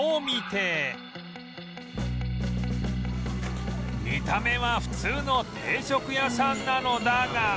見た目は普通の定食屋さんなのだが